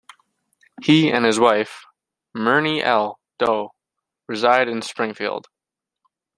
He and his wife, Myrnie L. Daut, reside in Springfield.